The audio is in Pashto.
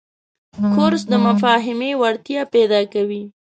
کورس د مفاهمې وړتیا پیدا کوي.